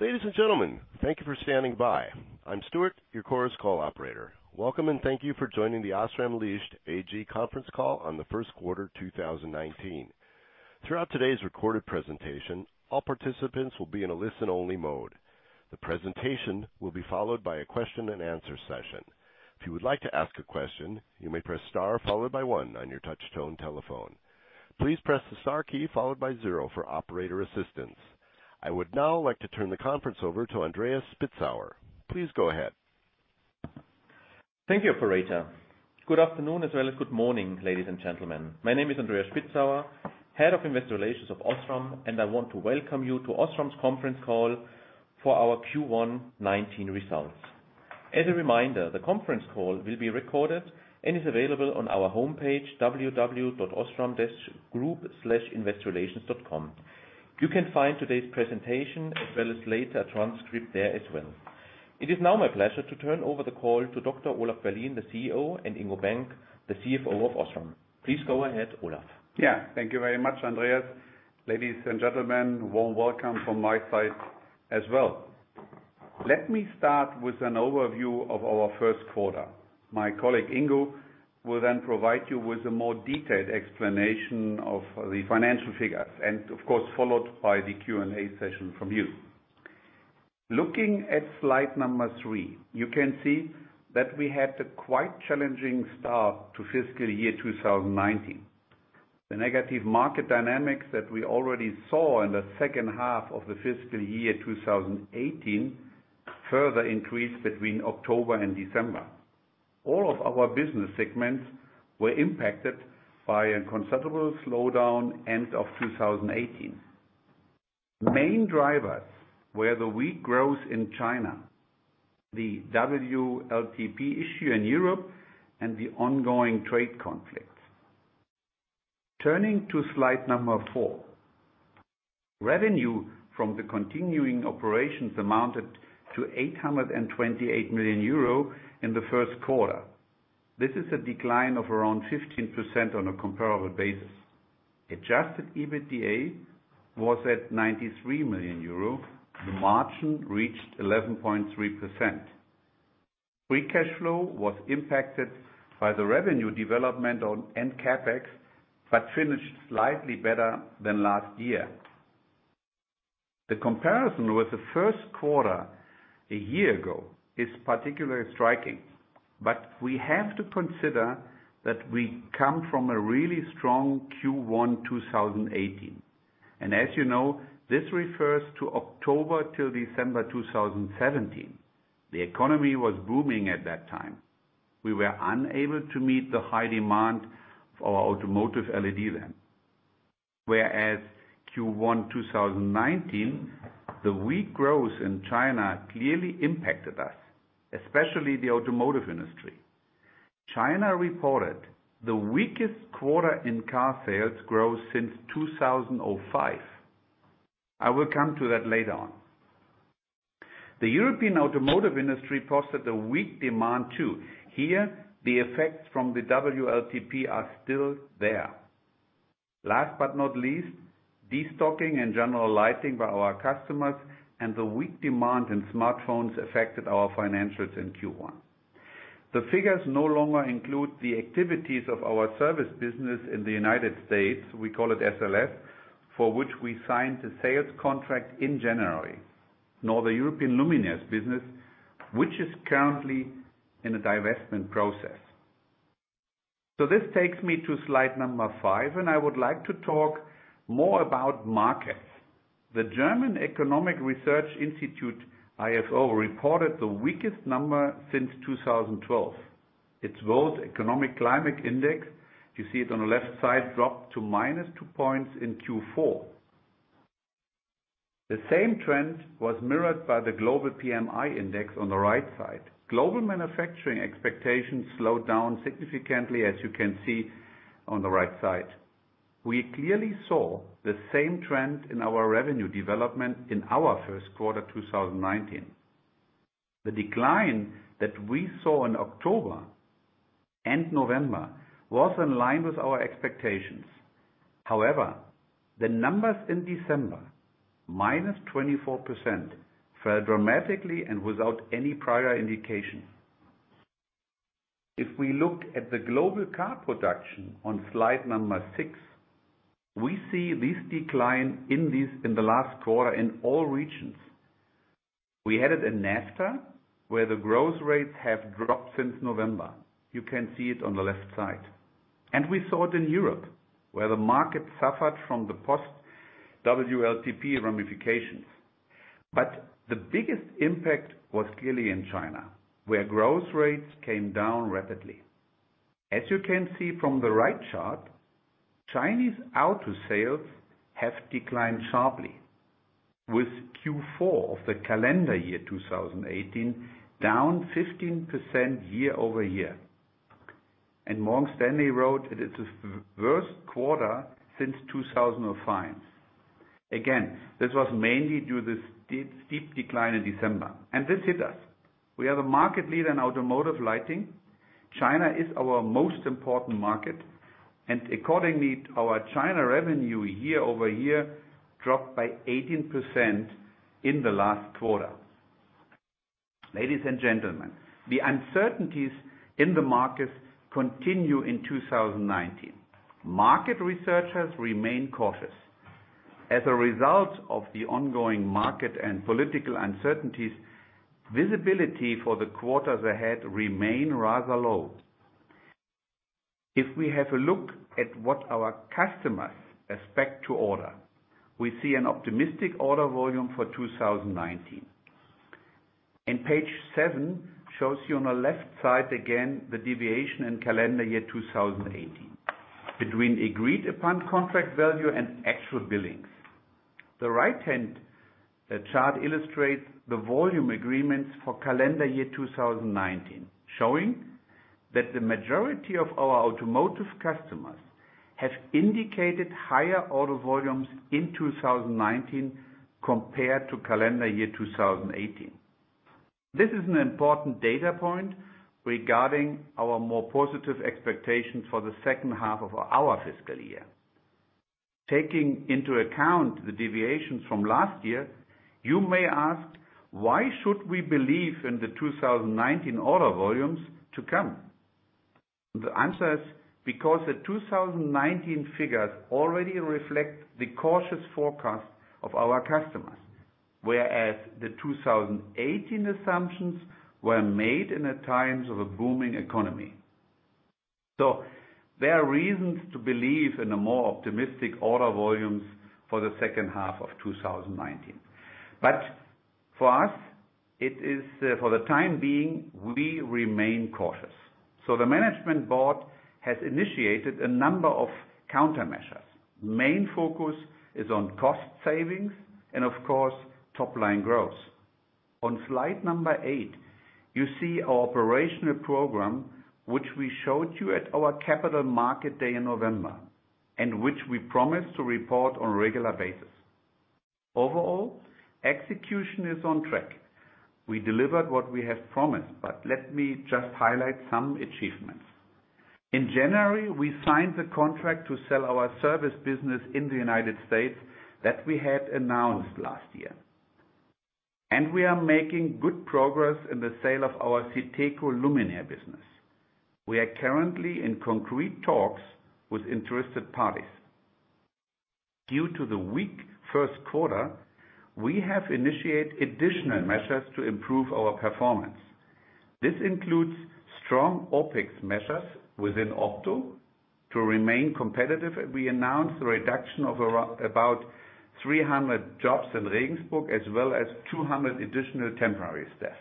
Ladies and gentlemen, thank you for standing by. I'm Stuart, your Chorus Call operator. Welcome, and thank you for joining the OSRAM Licht AG conference call on the first quarter 2019. Throughout today's recorded presentation, all participants will be in a listen-only mode. The presentation will be followed by a question and answer session. If you would like to ask a question, you may press star, followed by one on your touch-tone telephone. Please press the star key followed by zero for operator assistance. I would now like to turn the conference over to Andreas Spitzauer. Please go ahead. Thank you, Operator. Good afternoon as well as good morning, ladies and gentlemen. My name is Andreas Spitzauer, Head of Investor Relations of OSRAM. I want to welcome you to OSRAM's conference call for our Q1 2019 results. As a reminder, the conference call will be recorded and is available on our homepage, www.osram-group/investrelations.com. You can find today's presentation as well as later a transcript there as well. It is now my pleasure to turn over the call to Dr. Olaf Berlien, the CEO, and Ingo Bank, the CFO of OSRAM. Please go ahead, Olaf. Thank you very much, Andreas. Ladies and gentlemen, warm welcome from my side as well. Let me start with an overview of our first quarter. My colleague, Ingo, will then provide you with a more detailed explanation of the financial figures, followed by the Q&A session from you. Looking at slide number three, you can see that we had a quite challenging start to fiscal year 2019. The negative market dynamics that we already saw in the second half of the fiscal year 2018 further increased between October and December. All of our business segments were impacted by a considerable slowdown end of 2018. The main drivers were the weak growth in China, the WLTP issue in Europe, and the ongoing trade conflict. Turning to slide number four. Revenue from the continuing operations amounted to 828 million euro in the first quarter. This is a decline of around 15% on a comparable basis. Adjusted EBITDA was at 93 million euro. The margin reached 11.3%. Free cash flow was impacted by the revenue development and CapEx, but finished slightly better than last year. The comparison with the first quarter a year ago is particularly striking, but we have to consider that we come from a really strong Q1 2018. As you know, this refers to October till December 2017. The economy was booming at that time. We were unable to meet the high demand for our automotive LED then. Whereas Q1 2019, the weak growth in China clearly impacted us, especially the automotive industry. China reported the weakest quarter in car sales growth since 2005. I will come to that later on. The European automotive industry posted a weak demand, too. Here, the effects from the WLTP are still there. Last but not least, destocking and general lighting by our customers and the weak demand in smartphones affected our financials in Q1. The figures no longer include the activities of our service business in the United States, we call it SLS, for which we signed a sales contract in January. Nor the European Luminaires business, which is currently in a divestment process. This takes me to slide number five, and I would like to talk more about markets. The German economic research institute, Ifo, reported the weakest number since 2012. Its World Economic Climate Index, you see it on the left side, dropped to -2 points in Q4. The same trend was mirrored by the global PMI index on the right side. Global manufacturing expectations slowed down significantly, as you can see on the right side. We clearly saw the same trend in our revenue development in our first quarter 2019. The decline that we saw in October and November was in line with our expectations. However, the numbers in December, -24%, fell dramatically and without any prior indication. If we look at the global car production on slide number six, we see this decline in the last quarter in all regions. We had it in NAFTA, where the growth rates have dropped since November. You can see it on the left side. We saw it in Europe, where the market suffered from the post-WLTP ramifications. The biggest impact was clearly in China, where growth rates came down rapidly. As you can see from the right chart, Chinese auto sales have declined sharply, with Q4 of the calendar year 2018 down 15% year-over-year. Morgan Stanley wrote that it's the worst quarter since 2005. Again, this was mainly due to the steep decline in December. This hit us. We are the market leader in automotive lighting. China is our most important market, and accordingly, our China revenue year-over-year dropped by 18% in the last quarter. Ladies and gentlemen, the uncertainties in the markets continue in 2019. Market researchers remain cautious. As a result of the ongoing market and political uncertainties, visibility for the quarters ahead remain rather low. If we have a look at what our customers expect to order, we see an optimistic order volume for 2019. Page seven shows you on the left side, again, the deviation in calendar year 2018 between agreed-upon contract value and actual billings. The right-hand chart illustrates the volume agreements for calendar year 2019, showing that the majority of our automotive customers have indicated higher order volumes in 2019 compared to calendar year 2018. This is an important data point regarding our more positive expectations for the second half of our fiscal year. Taking into account the deviations from last year, you may ask, why should we believe in the 2019 order volumes to come? The answer is because the 2019 figures already reflect the cautious forecast of our customers, whereas the 2018 assumptions were made in the times of a booming economy. There are reasons to believe in a more optimistic order volumes for the second half of 2019. For us, it is for the time being, we remain cautious. The management board has initiated a number of countermeasures. Main focus is on cost savings and of course, top-line growth. On slide number eight, you see our operational program, which we showed you at our capital market day in November, and which we promise to report on a regular basis. Overall, execution is on track. We delivered what we have promised, but let me just highlight some achievements. In January, we signed the contract to sell our service business in the United States that we had announced last year, and we are making good progress in the sale of our SITECO luminaire business. We are currently in concrete talks with interested parties. Due to the weak first quarter, we have initiated additional measures to improve our performance. This includes strong OpEx measures within [OSRAM] to remain competitive. We announced a reduction of about 300 jobs in Regensburg, as well as 200 additional temporary staff.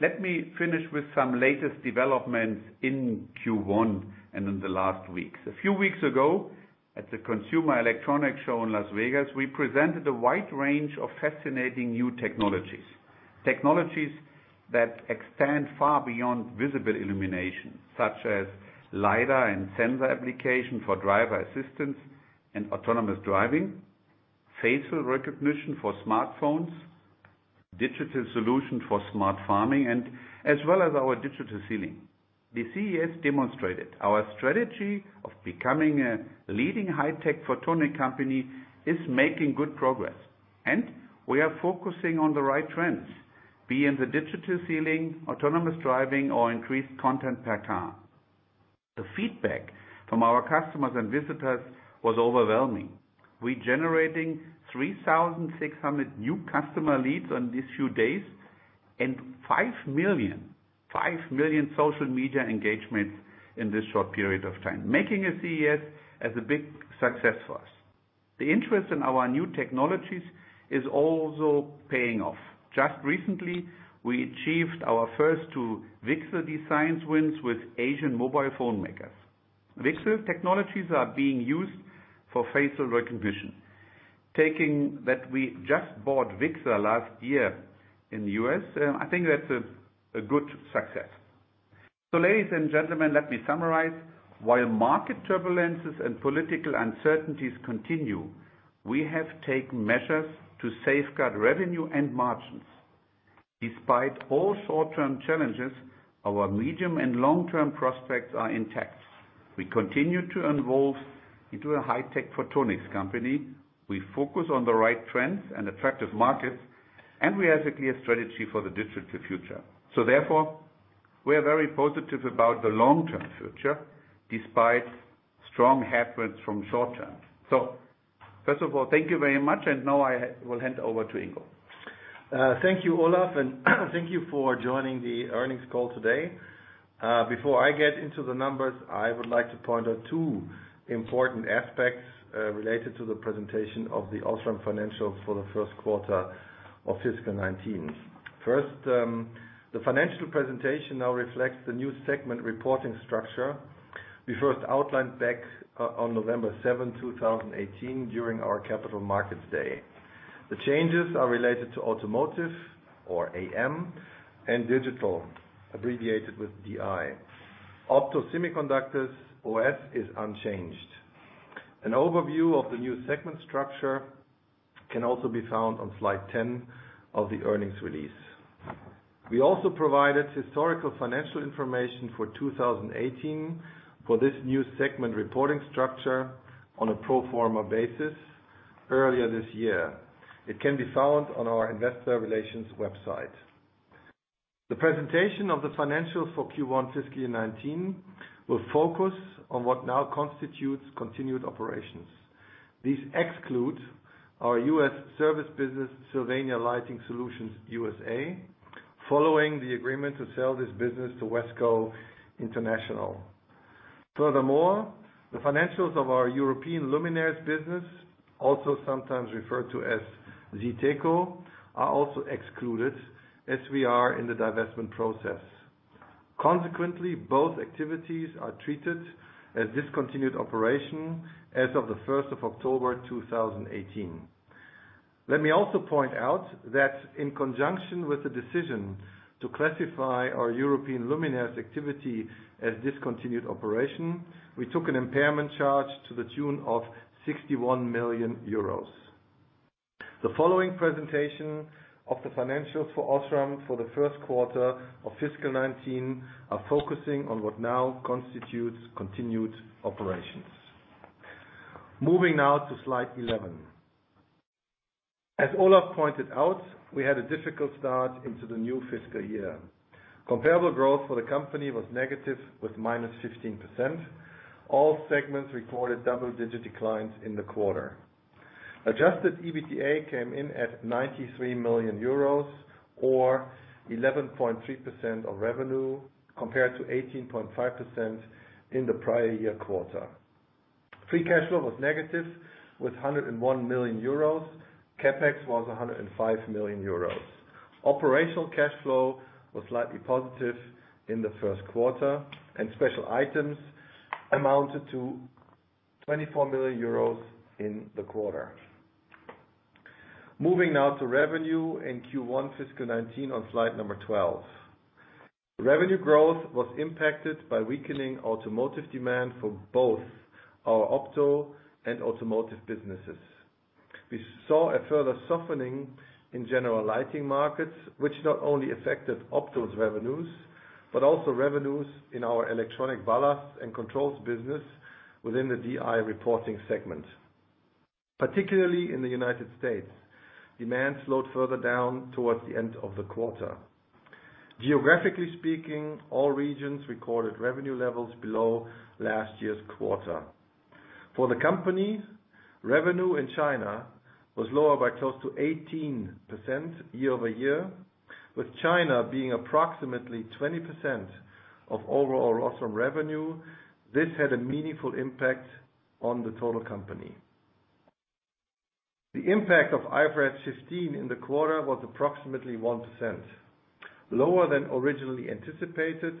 Let me finish with some latest developments in Q1 and in the last weeks. A few weeks ago, at the Consumer Electronics Show in Las Vegas, we presented a wide range of fascinating new technologies. Technologies that extend far beyond visible illumination, such as lidar and sensor application for driver assistance and autonomous driving, facial recognition for smartphones, digital solutions for smart farming, and as well as our digital ceiling. The CES demonstrated our strategy of becoming a leading high-tech photonic company is making good progress, and we are focusing on the right trends, be it the digital ceiling, autonomous driving, or increased content per car. The feedback from our customers and visitors was overwhelming. We generating 3,600 new customer leads on these few days and 5 million social media engagements in this short period of time, making CES as a big success for us. The interest in our new technologies is also paying off. Just recently, we achieved our first two Vixar designs wins with Asian mobile phone makers. Vixar technologies are being used for facial recognition. Taking that we just bought Vixar last year in the U.S., I think that's a good success. Ladies and gentlemen, let me summarize. While market turbulences and political uncertainties continue, we have taken measures to safeguard revenue and margins. Despite all short-term challenges, our medium and long-term prospects are intact. We continue to evolve into a high-tech photonics company. We focus on the right trends and attractive markets, and we have a clear strategy for the digital future. Therefore, we are very positive about the long-term future, despite strong headwinds from short-term. First of all, thank you very much, and now I will hand over to Ingo. Thank you, Olaf. Thank you for joining the earnings call today. Before I get into the numbers, I would like to point out two important aspects related to the presentation of the OSRAM financials for the first quarter of fiscal 2019. First, the financial presentation now reflects the new segment reporting structure we first outlined back on November 7, 2018, during our Capital Markets Day. The changes are related to automotive, or AM, and digital, abbreviated with DI. Opto Semiconductors, OS, is unchanged. An overview of the new segment structure can also be found on slide 10 of the earnings release. We also provided historical financial information for 2018 for this new segment reporting structure on a pro forma basis earlier this year. It can be found on our investor relations website. The presentation of the financials for Q1 fiscal year 2019 will focus on what now constitutes continued operations. These exclude our U.S. service business, Sylvania Lighting Solutions USA, following the agreement to sell this business to WESCO International. Furthermore, the financials of our European luminaires business, also sometimes referred to as SITECO, are also excluded as we are in the divestment process. Consequently, both activities are treated as discontinued operation as of the 1st of October, 2018. Let me also point out that in conjunction with the decision to classify our European luminaires activity as discontinued operation, we took an impairment charge to the tune of 61 million euros. The following presentation of the financials for OSRAM for the first quarter of fiscal year 2019 are focusing on what now constitutes continued operations. Moving now to slide 11. As Olaf pointed out, we had a difficult start into the new fiscal year. Comparable growth for the company was negative with -15%. All segments reported double-digit declines in the quarter. Adjusted EBITDA came in at 93 million euros, or 11.3% of revenue, compared to 18.5% in the prior year quarter. Free cash flow was negative with 101 million euros. CapEx was 105 million euros. Operational cash flow was slightly positive in the first quarter. Special items amounted to 24 million euros in the quarter. Moving now to revenue in Q1 fiscal year 2019 on slide number 12. Revenue growth was impacted by weakening automotive demand for both our Opto and automotive businesses. We saw a further softening in general lighting markets, which not only affected Opto's revenues, but also revenues in our electronic ballasts and controls business within the DI reporting segment. Particularly in the U.S., demand slowed further down towards the end of the quarter. Geographically speaking, all regions recorded revenue levels below last year's quarter. For the company, revenue in China was lower by close to 18% year-over-year, with China being approximately 20% of overall OSRAM revenue. This had a meaningful impact on the total company. The impact of IFRS 15 in the quarter was approximately 1%, lower than originally anticipated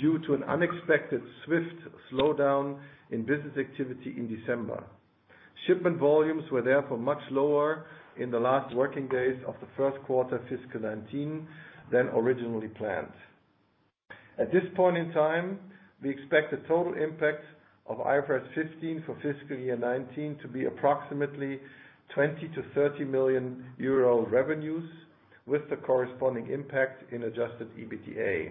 due to an unexpected swift slowdown in business activity in December. Shipment volumes were therefore much lower in the last working days of the first quarter fiscal year 2019 than originally planned. At this point in time, we expect the total impact of IFRS 15 for fiscal year 2019 to be approximately 20 million-30 million euro revenues, with the corresponding impact in adjusted EBITDA.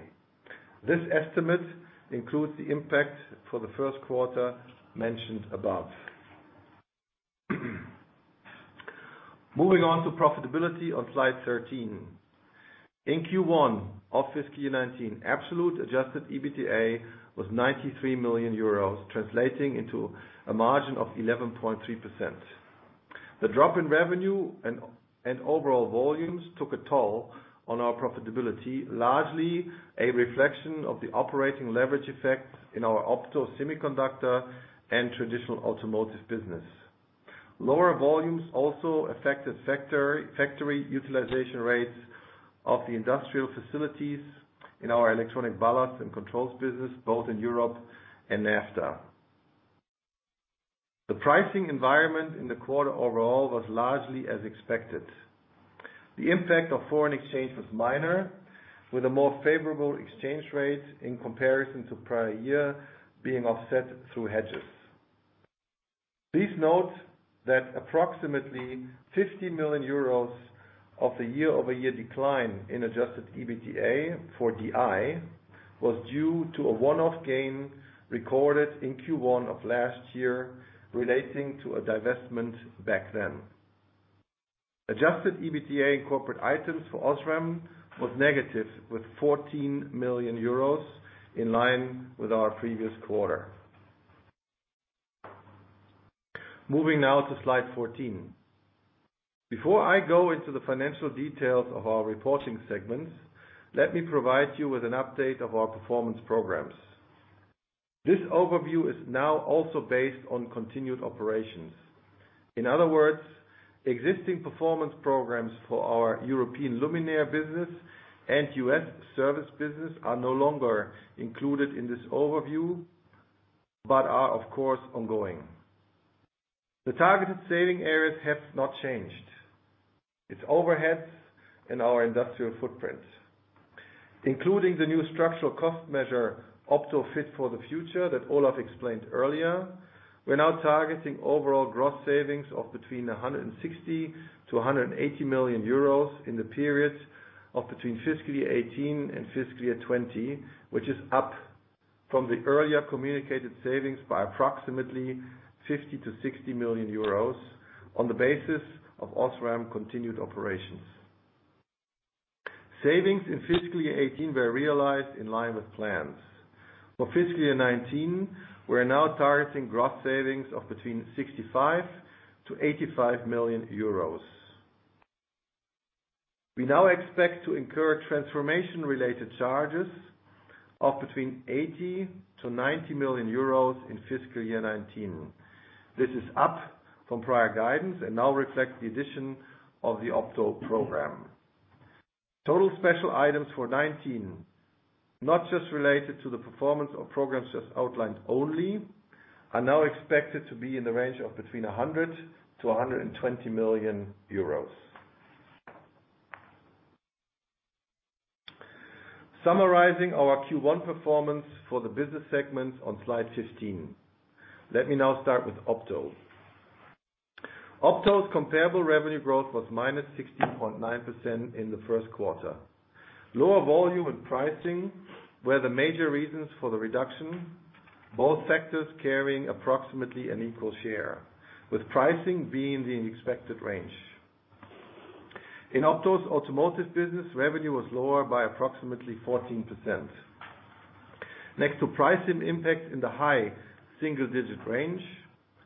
This estimate includes the impact for the first quarter mentioned above. Moving on to profitability on slide 13. In Q1 of fiscal year 2019, absolute adjusted EBITDA was 93 million euros, translating into a margin of 11.3%. The drop in revenue and overall volumes took a toll on our profitability, largely a reflection of the operating leverage effect in our Opto semiconductor and traditional automotive business. Lower volumes also affected factory utilization rates of the industrial facilities in our electronic ballasts and controls business, both in Europe and NAFTA. The pricing environment in the quarter overall was largely as expected. The impact of foreign exchange was minor, with a more favorable exchange rate in comparison to prior year being offset through hedges. Please note that approximately 50 million euros of the year-over-year decline in adjusted EBITDA for DI was due to a one-off gain recorded in Q1 of last year relating to a divestment back then. Adjusted EBITDA and corporate items for OSRAM was negative with 14 million euros, in line with our previous quarter. Moving now to slide 14. Before I go into the financial details of our reporting segments, let me provide you with an update of our performance programs. This overview is now also based on continued operations. In other words, existing performance programs for our European luminaire business and U.S. service business are no longer included in this overview. Are of course ongoing. The targeted saving areas have not changed. It's overheads in our industrial footprint. Including the new structural cost measure, Opto fit for the future, that Olaf explained earlier, we're now targeting overall gross savings of between 160 million-180 million euros in the periods of between fiscal year 2018 and fiscal year 2020, which is up from the earlier communicated savings by approximately 50 million-60 million euros on the basis of OSRAM continued operations. Savings in fiscal year 2018 were realized in line with plans. For fiscal year 2019, we're now targeting gross savings of between 65 million-85 million euros. We now expect to incur transformation related charges of between 80 million-90 million euros in fiscal year 2019. This is up from prior guidance and now reflects the addition of the Opto program. Total special items for 2019, not just related to the performance of programs just outlined only, are now expected to be in the range of between 100 million-120 million euros. Summarizing our Q1 performance for the business segments on slide 15. Let me now start with Opto. Opto's comparable revenue growth was -16.9% in the first quarter. Lower volume and pricing were the major reasons for the reduction. Both factors carrying approximately an equal share, with pricing being the expected range. In Opto's automotive business, revenue was lower by approximately 14%. Next to pricing impact in the high single digit range,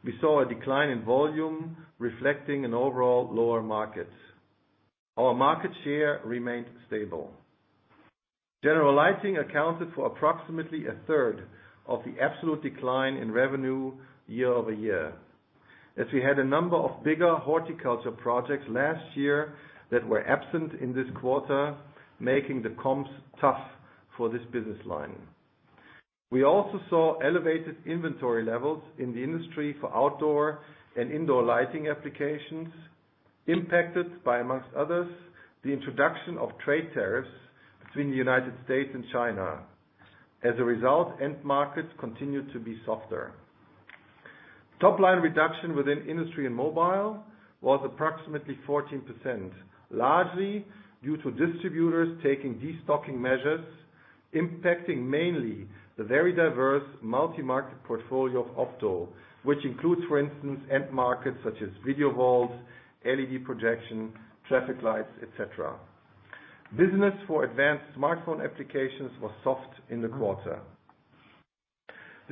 we saw a decline in volume reflecting an overall lower market. Our market share remained stable. General lighting accounted for approximately 1/3 of the absolute decline in revenue year-over-year, as we had a number of bigger horticulture projects last year that were absent in this quarter, making the comps tough for this business line. We also saw elevated inventory levels in the industry for outdoor and indoor lighting applications, impacted by, amongst others, the introduction of trade tariffs between the United States and China. As a result, end markets continued to be softer. Top line reduction within industry and mobile was approximately 14%, largely due to distributors taking destocking measures, impacting mainly the very diverse multi-market portfolio of Opto, which includes, for instance, end markets such as video walls, LED projection, traffic lights, et cetera. Business for advanced smartphone applications was soft in the quarter.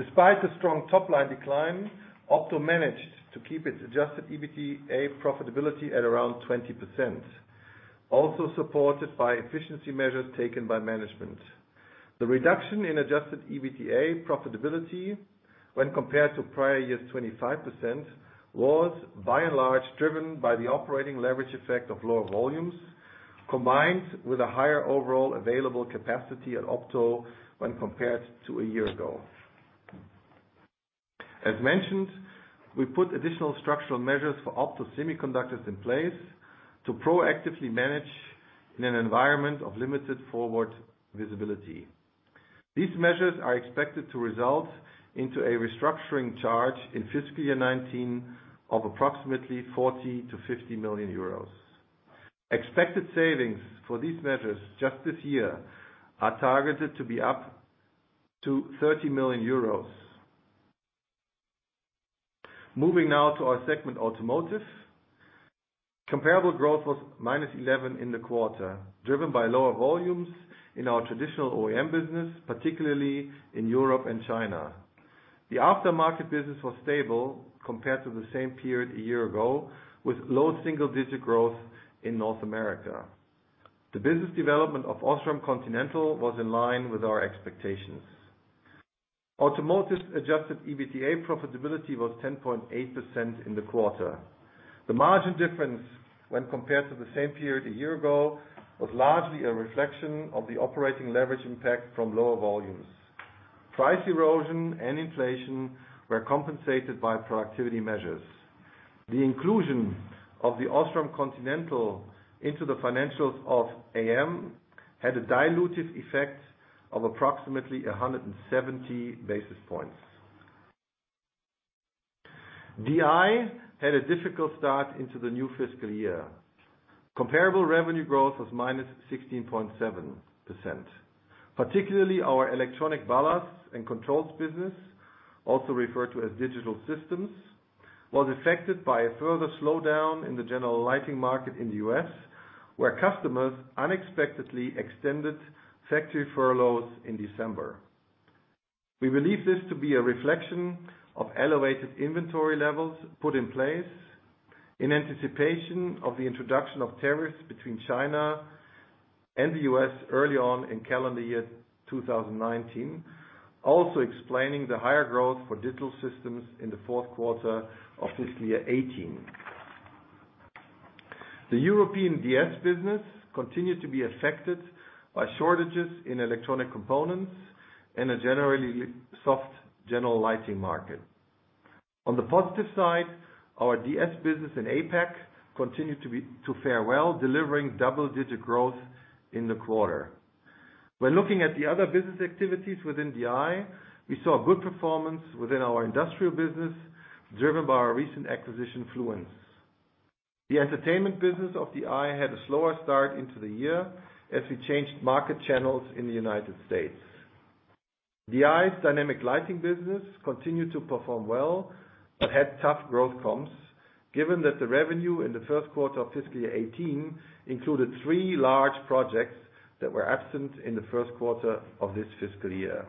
Despite the strong top-line decline, Opto managed to keep its adjusted EBITDA profitability at around 20%, also supported by efficiency measures taken by management. The reduction in adjusted EBITDA profitability when compared to prior year's 25%, was by and large driven by the operating leverage effect of lower volumes, combined with a higher overall available capacity at Opto when compared to a year ago. As mentioned, we put additional structural measures for Opto semiconductors in place to proactively manage in an environment of limited forward visibility. These measures are expected to result into a restructuring charge in fiscal year 2019 of approximately 40 million-50 million euros. Expected savings for these measures just this year are targeted to be up to 30 million euros. Moving now to our segment, Automotive. Comparable growth was -11% in the quarter, driven by lower volumes in our traditional OEM business, particularly in Europe and China. The aftermarket business was stable compared to the same period a year ago, with low single-digit growth in North America. The business development of Osram Continental was in line with our expectations. Automotive adjusted EBITDA profitability was 10.8% in the quarter. The margin difference when compared to the same period a year ago was largely a reflection of the operating leverage impact from lower volumes. Price erosion and inflation were compensated by productivity measures. The inclusion of the OSRAM Continental into the financials of AM had a dilutive effect of approximately 170 basis points. DI had a difficult start into the new fiscal year. Comparable revenue growth was -16.7%. Particularly our electronic ballasts and controls business, also referred to as digital systems, was affected by a further slowdown in the general lighting market in the U.S., where customers unexpectedly extended factory furloughs in December. We believe this to be a reflection of elevated inventory levels put in place in anticipation of the introduction of tariffs between China and the U.S. early on in calendar year 2019, also explaining the higher growth for digital systems in the fourth quarter of fiscal year 2018. The European DS business continued to be affected by shortages in electronic components and a generally soft general lighting market. On the positive side, our DS business in APAC continued to fare well, delivering double-digit growth in the quarter. When looking at the other business activities within DI, we saw good performance within our industrial business, driven by our recent acquisition, Fluence. The entertainment business of DI had a slower start into the year as we changed market channels in the United States. DI's dynamic lighting business continued to perform well, but had tough growth comps, given that the revenue in the first quarter of fiscal year 2018 included three large projects that were absent in the first quarter of this fiscal year.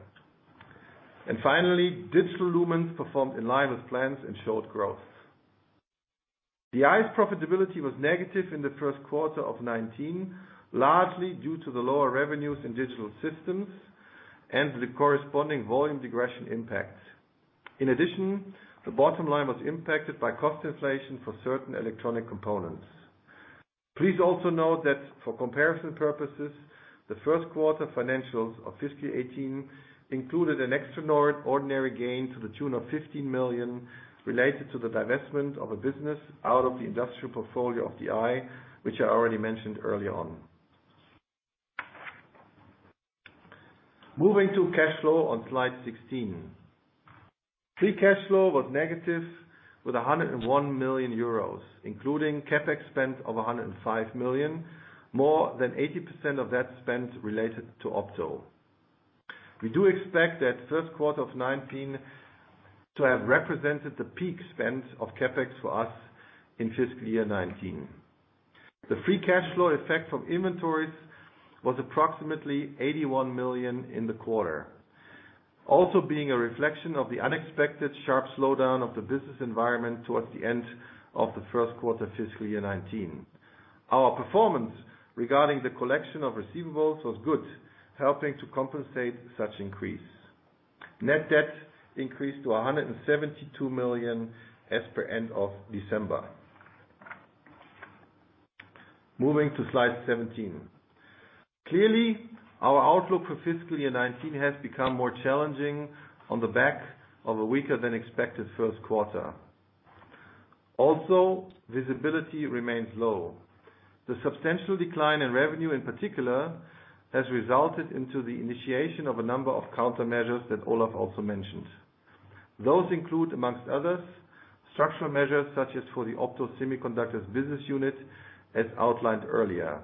Digital Lumens performed in line with plans and showed growth. DI's profitability was negative in the first quarter of 2019, largely due to the lower revenues in digital systems and the corresponding volume regression impacts. In addition, the bottom line was impacted by cost inflation for certain electronic components. Please also note that for comparison purposes, the first quarter financials of fiscal 2018 included an extraordinary gain to the tune of $15 million related to the divestment of a business out of the industrial portfolio of DI, which I already mentioned early on. Moving to cash flow on slide 16. Free cash flow was negative with 101 million euros, including CapEx spend of 105 million, more than 80% of that spend related to Opto. We do expect that first quarter of 2019 to have represented the peak spend of CapEx for us in fiscal year 2019. The free cash flow effect from inventories was approximately 81 million in the quarter. Also being a reflection of the unexpected sharp slowdown of the business environment towards the end of the first quarter fiscal year 2019. Our performance regarding the collection of receivables was good, helping to compensate such increase. Net debt increased to 172 million as per end of December. Moving to slide 17. Clearly, our outlook for fiscal year 2019 has become more challenging on the back of a weaker than expected first quarter. Also, visibility remains low. The substantial decline in revenue, in particular, has resulted into the initiation of a number of countermeasures that Olaf also mentioned. Those include, amongst others, structural measures such as for the Opto Semiconductors business unit, as outlined earlier.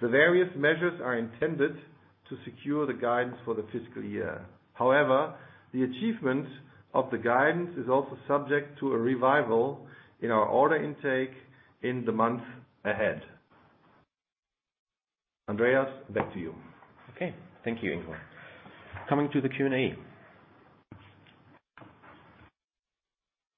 The various measures are intended to secure the guidance for the fiscal year. However, the achievement of the guidance is also subject to a revival in our order intake in the month ahead. Andreas, back to you. Okay. Thank you, Ingo. Coming to the Q&A.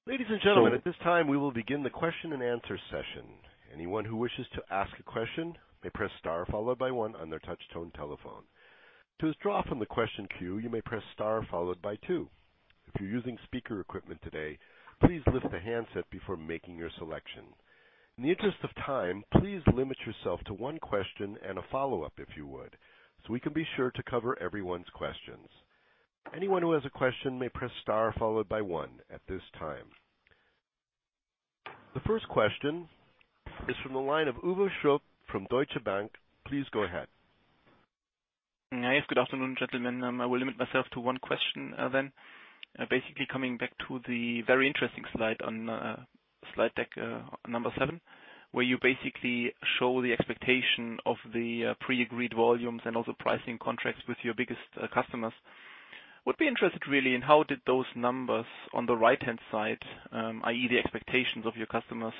Ladies and gentlemen, at this time we will begin the question and answer session. Anyone who wishes to ask a question may press star followed by one on their touch tone telephone. To withdraw from the question queue, you may press star followed by two. If you're using speaker equipment today, please lift the handset before making your selection. In the interest of time, please limit yourself to one question and a follow-up, if you would, so we can be sure to cover everyone's questions. Anyone who has a question may press star followed by one at this time. The first question is from the line of Uwe Schupp from Deutsche Bank. Please go ahead. Yes, good afternoon, gentlemen. I will limit myself to one question. Coming back to the very interesting slide on slide deck number seven, where you basically show the expectation of the pre-agreed volumes and also pricing contracts with your biggest customers. Would be interested really in how did those numbers on the right-hand side, i.e. the expectations of your customers,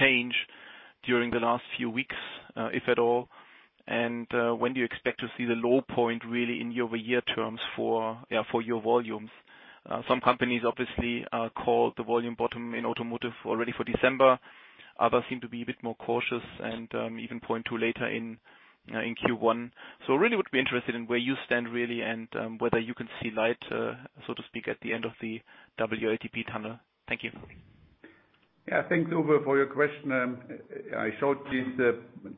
change during the last few weeks, if at all? When do you expect to see the low point really in year-over-year terms for your volumes? Some companies obviously called the volume bottom in automotive already for December. Others seem to be a bit more cautious and even point to later in Q1. Really would be interested in where you stand really and whether you can see light, so to speak, at the end of the WLTP tunnel. Thank you. Yeah. Thanks, Uwe, for your question. I showed this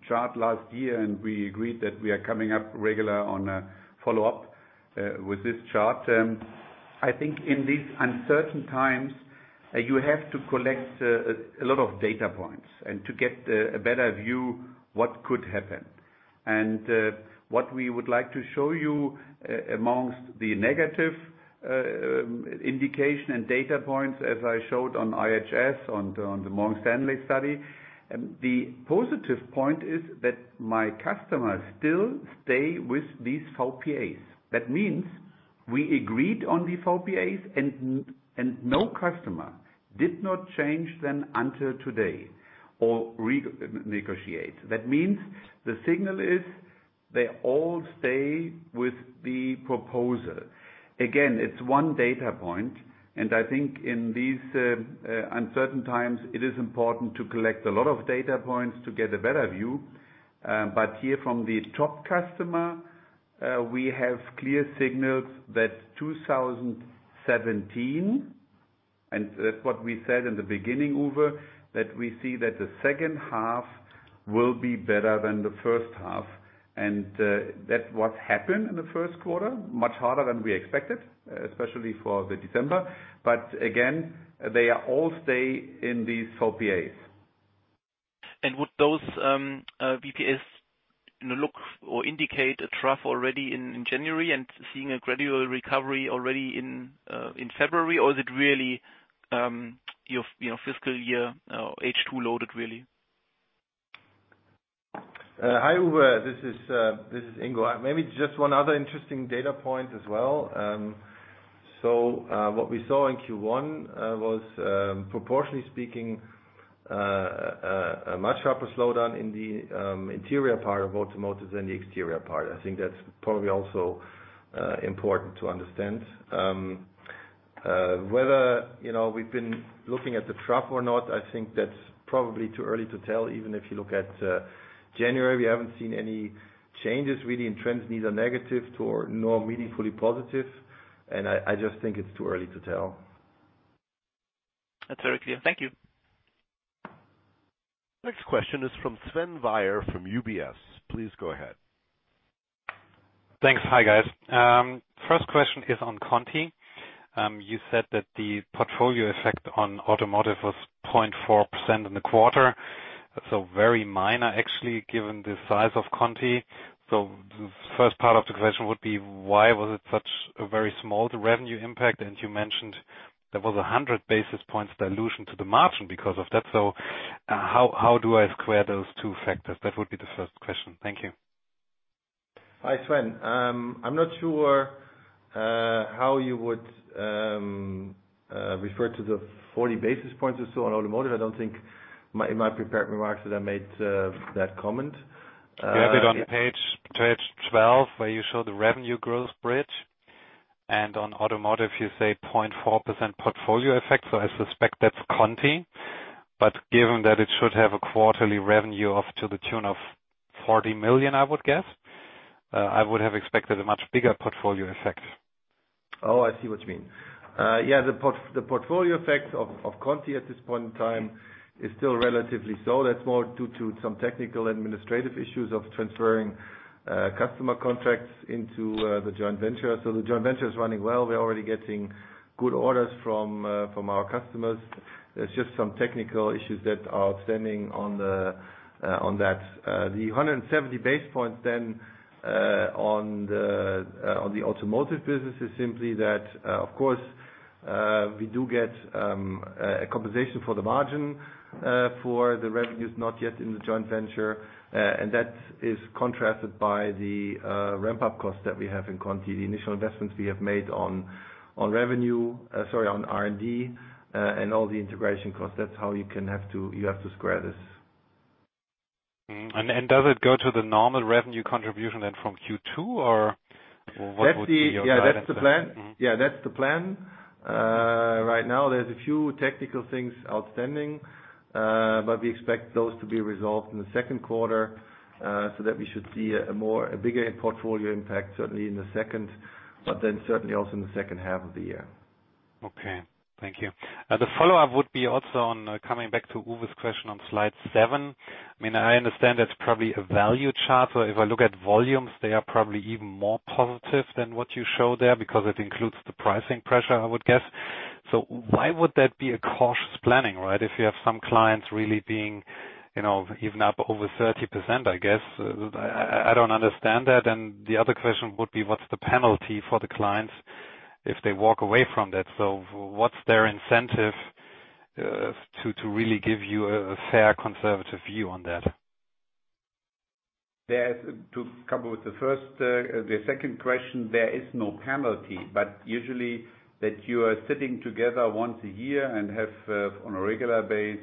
chart last year. We agreed that we are coming up regular on a follow-up with this chart. I think in these uncertain times, you have to collect a lot of data points and to get a better view what could happen. What we would like to show you amongst the negative indication and data points, as I showed on IHS, on the Morgan Stanley study, the positive point is that my customers still stay with these VPAs. That means we agreed on the VPAs and no customer did not change them until today or renegotiate. That means the signal is they all stay with the proposal. Again, it's one data point. I think in these uncertain times, it is important to collect a lot of data points to get a better view. Here from the top customer, we have clear signals that 2017. That's what we said in the beginning, Uwe, that we see that the second half will be better than the first half. That's what happened in the first quarter, much harder than we expected, especially for December. Again, they all stay in these VPAs. Would those VPAs look or indicate a trough already in January and seeing a gradual recovery already in February? Is it really your fiscal year H2 loaded, really? Hi, Uwe. This is Ingo. Maybe just one other interesting data point as well. What we saw in Q1 was, proportionally speaking, a much sharper slowdown in the interior part of automotive than the exterior part. I think that's probably also important to understand. Whether we've been looking at the trough or not, I think that's probably too early to tell. Even if you look at January, we haven't seen any changes, really, in trends, neither negative nor meaningfully positive. I just think it's too early to tell. That's very clear. Thank you. Next question is from Sven Weier from UBS. Please go ahead. Thanks. Hi, guys. First question is on Conti. You said that the portfolio effect on automotive was 0.4% in the quarter, very minor actually, given the size of Conti. The first part of the question would be, why was it such a very small revenue impact? You mentioned there was 100 basis points dilution to the margin because of that. How do I square those two factors? That would be the first question. Thank you. Hi, Sven. I'm not sure how you would refer to the 40 basis points or so on automotive. I don't think in my prepared remarks that I made that comment. You have it on page 12, where you show the revenue growth bridge. On automotive, you say 0.4% portfolio effect, so I suspect that's Conti. Given that it should have a quarterly revenue of to the tune of 40 million, I would guess, I would have expected a much bigger portfolio effect. Oh, I see what you mean. Yeah, the portfolio effect of Conti at this point in time is still relatively slow. That's more due to some technical administrative issues of transferring customer contracts into the joint venture. The joint venture is running well. We're already getting good orders from our customers. There's just some technical issues that are outstanding on that. The 170 basis points on the automotive business is simply that, of course, we do get a compensation for the margin for the revenues not yet in the joint venture. That is contrasted by the ramp-up cost that we have in Conti, the initial investments we have made on R&D, and all the integration costs. That's how you have to square this. Does it go to the normal revenue contribution then from Q2, or what would be your guidance there? Yeah, that's the plan. Right now, there's a few technical things outstanding, but we expect those to be resolved in the second quarter, so that we should see a bigger portfolio impact, certainly in the second, but then certainly also in the second half of the year. Okay. Thank you. The follow-up would be also on coming back to Uwe's question on slide seven. I understand that's probably a value chart. If I look at volumes, they are probably even more positive than what you show there because it includes the pricing pressure, I would guess. Why would that be a cautious planning, right? If you have some clients really being even up over 30%, I guess. I don't understand that. The other question would be, what's the penalty for the clients if they walk away from that? What's their incentive to really give you a fair conservative view on that? To cover with the first, the second question, there is no penalty, but usually that you are sitting together once a year and have, on a regular base,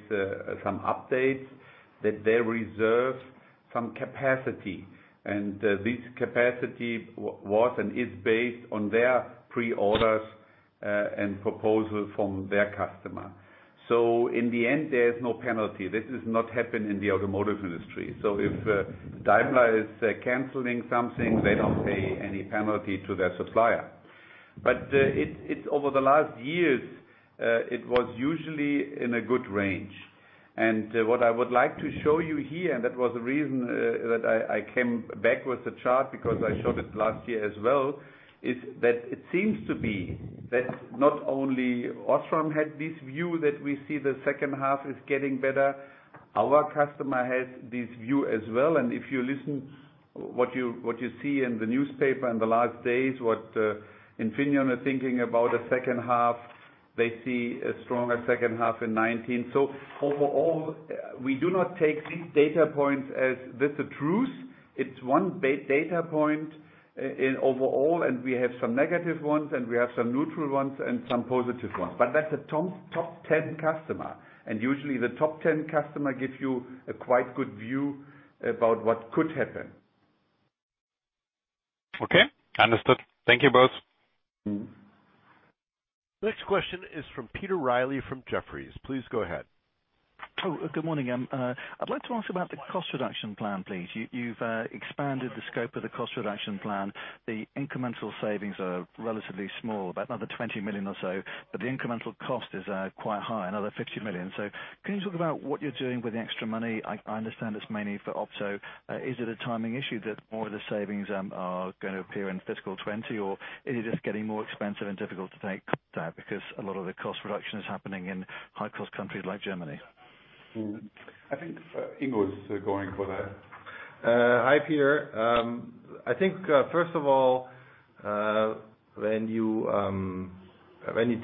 some updates, that they reserve some capacity. This capacity was and is based on their pre-orders and proposal from their customer. In the end, there is no penalty. This has not happened in the automotive industry. If Daimler is canceling something, they don't pay any penalty to their supplier. Over the last years, it was usually in a good range. What I would like to show you here, and that was the reason that I came back with the chart because I showed it last year as well, is that it seems to be that not only OSRAM had this view that we see the second half is getting better. Our customer has this view as well. If you listen what you see in the newspaper in the last days, what Infineon are thinking about the second half, they see a stronger second half in 2019. Overall, we do not take these data points as this the truth. It's one data point overall. We have some negative ones, we have some neutral ones and some positive ones. That's a top 10 customer, usually the top 10 customer gives you a quite good view about what could happen. Okay. Understood. Thank you both. Next question is from Peter Reilly from Jefferies. Please go ahead. Good morning. I'd like to ask about the cost reduction plan, please. You've expanded the scope of the cost reduction plan. The incremental savings are relatively small, about another 20 million or so, but the incremental cost is quite high, another 50 million. Can you talk about what you're doing with the extra money? I understand it's mainly for Opto. Is it a timing issue that more of the savings are going to appear in fiscal 2020? Is it just getting more expensive and difficult to take cost out because a lot of the cost reduction is happening in high-cost countries like Germany? I think Ingo is going for that. Hi, Peter. I think, first of all, when you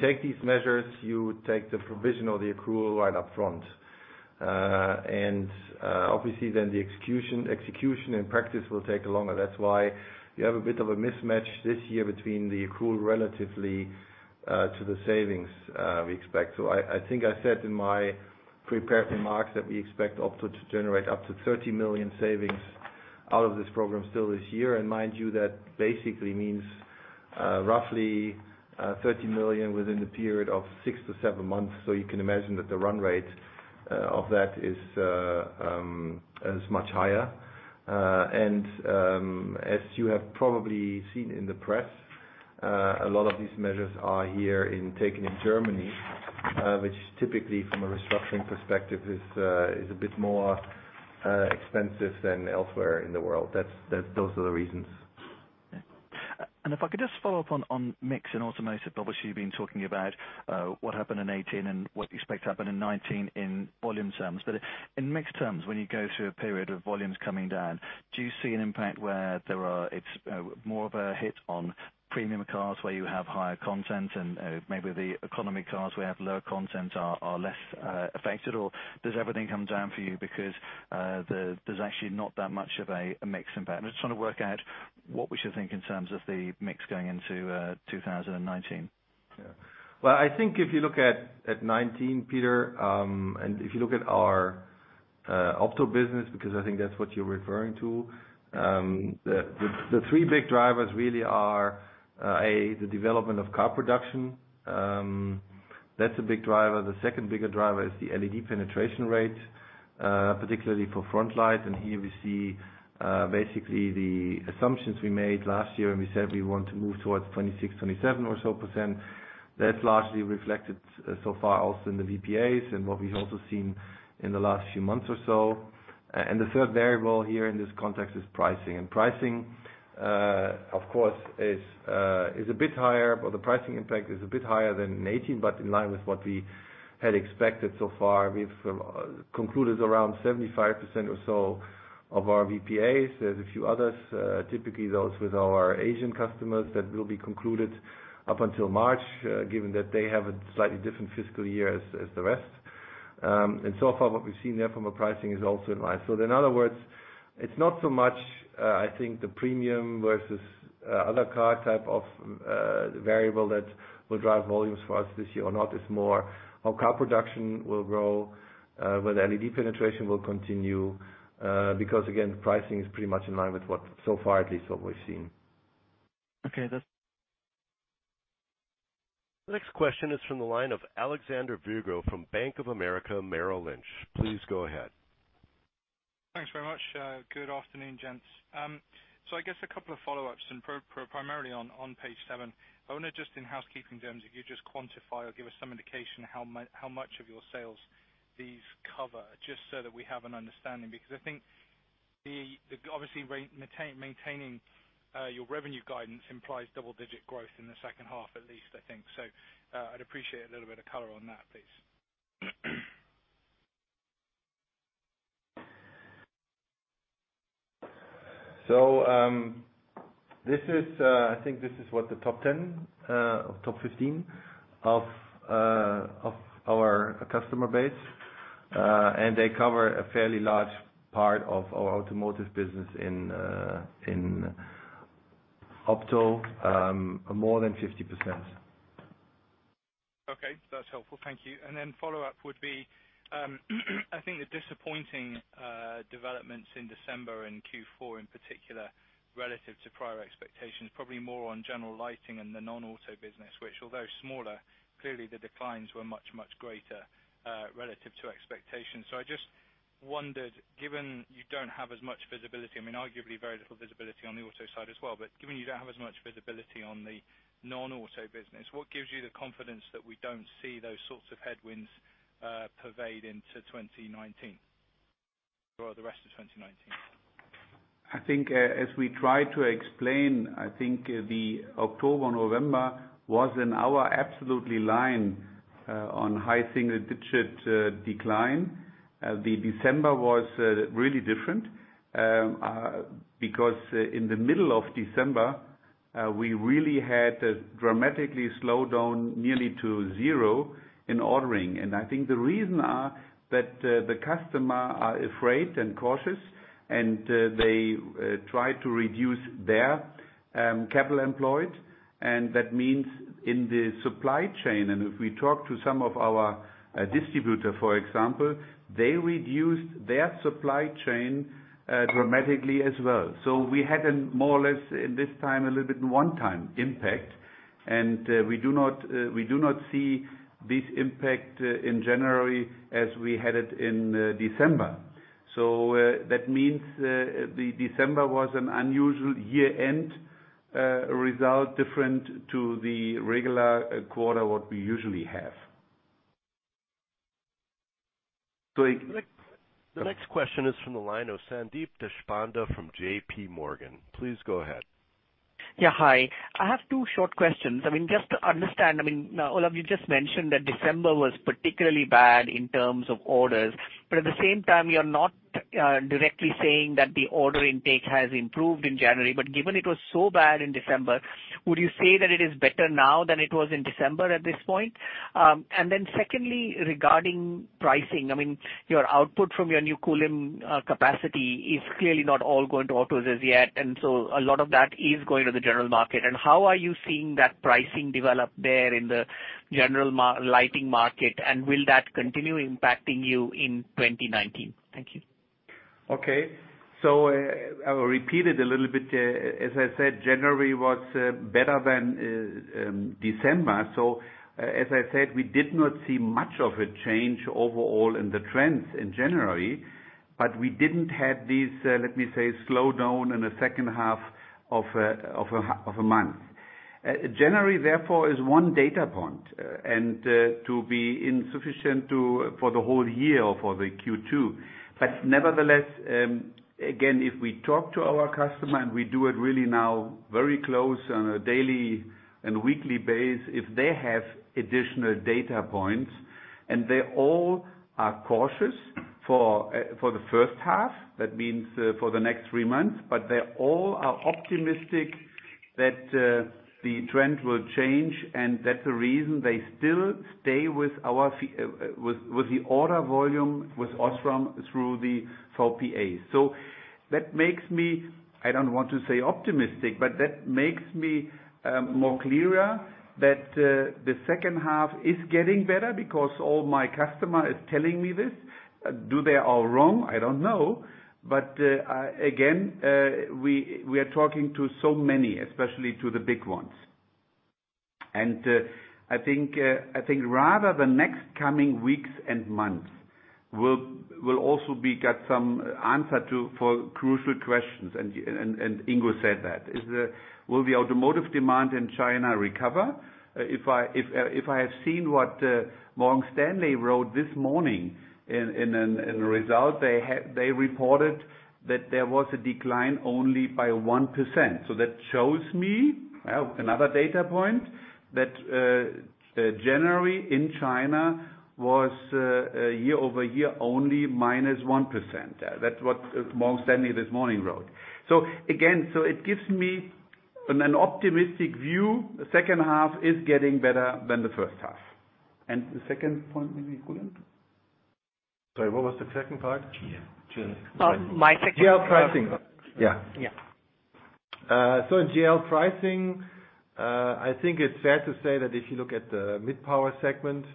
take these measures, you take the provision or the accrual right up front. Obviously, the execution in practice will take longer. That's why you have a bit of a mismatch this year between the accrual relatively, to the savings we expect. I think I said in my prepared remarks that we expect Opto to generate up to 30 million savings out of this program still this year. Mind you, that basically means roughly 30 million within the period of six to seven months. You can imagine that the run rate of that is much higher. As you have probably seen in the press, a lot of these measures are here, taken in Germany, which typically from a restructuring perspective is a bit more expensive than elsewhere in the world. Those are the reasons. If I could just follow up on mix and automotive. Obviously, you've been talking about what happened in 2018 and what you expect to happen in 2019 in volume terms. In mixed terms, when you go through a period of volumes coming down, do you see an impact where it's more of a hit on premium cars where you have higher content and maybe the economy cars where you have lower content are less affected? Does everything come down for you because there's actually not that much of a mix impact? I'm just trying to work out what we should think in terms of the mix going into 2019. Well, I think if you look at 2019, Peter, and if you look at our Opto business, because I think that's what you're referring to. The three big drivers really are, A, the development of car production. That's a big driver. The second bigger driver is the LED penetration rate, particularly for front lights. Here we see basically the assumptions we made last year when we said we want to move towards 26%-27% or so. That's largely reflected so far also in the VPAs and what we've also seen in the last few months or so. The third variable here in this context is pricing. Pricing, of course, is a bit higher, but the pricing impact is a bit higher than in 2018, but in line with what we had expected so far. We've concluded around 75% or so of our VPAs. There's a few others, typically those with our Asian customers, that will be concluded up until March, given that they have a slightly different fiscal year as the rest. So far what we've seen there from a pricing is also in line. In other words, it's not so much I think the premium versus other car type of variable that will drive volumes for us this year or not. It's more how car production will grow, whether LED penetration will continue. Because again, pricing is pretty much in line with what so far at least what we've seen. Okay. The next question is from the line of Alexander Virgo from Bank of America Merrill Lynch. Please go ahead. Thanks very much. Good afternoon, gents. I guess a couple of follow-ups and primarily on page seven. I wonder just in housekeeping terms, if you could just quantify or give us some indication how much of your sales these cover, just so that we have an understanding. I think obviously maintaining your revenue guidance implies double-digit growth in the second half at least, I think. I'd appreciate a little bit of color on that, please. I think this is what the top 10 or top 15 of our customer base, and they cover a fairly large part of our automotive business in Opto, more than 50%. Okay. That's helpful. Thank you. Follow-up would be, I think the disappointing developments in December and Q4 in particular relative to prior expectations, probably more on general lighting and the non-auto business, which although smaller, clearly the declines were much, much greater, relative to expectations. I just wondered, given you don't have as much visibility, I mean, arguably very little visibility on the auto side as well, but given you don't have as much visibility on the non-auto business, what gives you the confidence that we don't see those sorts of headwinds pervade into 2019? Or the rest of 2019? I think as we try to explain, I think the October, November was in our absolutely line, on high single-digit decline. The December was really different, because in the middle of December, we really had a dramatically slow down nearly to zero in ordering. I think the reason are that the customer are afraid and cautious and they try to reduce their capital employed. That means in the supply chain. If we talk to some of our distributor, for example, they reduced their supply chain dramatically as well. We had a more or less in this time, a little bit one-time impact. We do not see this impact in January as we had it in December. That means December was an unusual year-end result, different to the regular quarter, what we usually have. The next question is from the line of Sandeep Deshpande from JPMorgan. Please go ahead. Yeah. Hi. I have two short questions. Just to understand, Olaf, you just mentioned that December was particularly bad in terms of orders, at the same time, you're not directly saying that the order intake has improved in January. Given it was so bad in December, would you say that it is better now than it was in December at this point? Secondly, regarding pricing, your output from your new Kulim capacity is clearly not all going to autos as yet, a lot of that is going to the general market. How are you seeing that pricing develop there in the general lighting market, and will that continue impacting you in 2019? Thank you. Okay. I will repeat it a little bit. As I said, January was better than December. As I said, we did not see much of a change overall in the trends in January, but we didn't have this, let me say, slowdown in the second half of a month. January, therefore, is one data point, and to be insufficient for the whole year or for the Q2. Nevertheless, again, if we talk to our customer and we do it really now very close on a daily and weekly base, if they have additional data points and they all are cautious for the first half, that means for the next three months, but they all are optimistic that the trend will change and that's the reason they still stay with the order volume with OSRAM through the VPAs. That makes me, I don't want to say optimistic, but that makes me more clearer that the second half is getting better because all my customer is telling me this. Are they all wrong? I don't know. Again, we are talking to so many, especially to the big ones. I think rather the next coming weeks and months, we'll also get some answer for crucial questions, and Ingo said that. Will the automotive demand in China recover? If I have seen what Morgan Stanley wrote this morning in a result, they reported that there was a decline only by 1%. That shows me, another data point, that January in China was year-over-year only minus 1%. That's what Morgan Stanley this morning wrote. Again, it gives me an optimistic view. The second half is getting better than the first half. The second point maybe, [Gülhan]? Sorry, what was the second part? GL pricing. GL pricing? Yeah. Yeah. In GL pricing, I think it's fair to say that if you look at the mid-power segment,